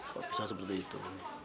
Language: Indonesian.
kalau bisa seperti itu